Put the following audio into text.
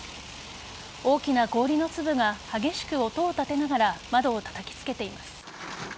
大きな氷の粒が激しく音を立てながら窓をたたきつけています。